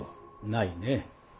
ないね。